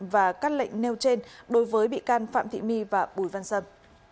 và các lệnh nêu trên đối với bị can phạm thị my và bùi văn sâm